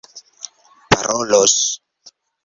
parolos